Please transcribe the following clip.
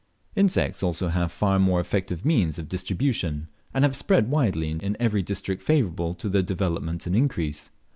Insects also have far more effective means of distribution, and have spread widely into every district favourable to their development and increase.